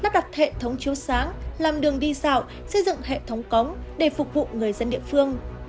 lắp đặt hệ thống chiếu sáng làm đường đi dạo xây dựng hệ thống cống để phục vụ người dân địa phương